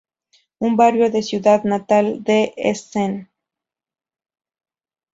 Un barrio de su ciudad natal de Essen.